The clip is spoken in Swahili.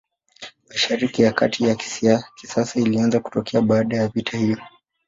Mashariki ya Kati ya kisasa ilianza kutokea baada ya vita hiyo.